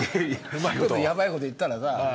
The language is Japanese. やばいこと言ったらさ。